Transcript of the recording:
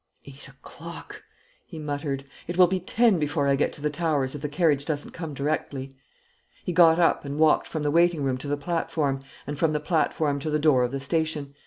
"Eight o'clock!" he muttered. "It will be ten before I get to the Towers, if the carriage doesn't come directly." He got up, and walked from the waiting room to the platform, and from the platform to the door of the station.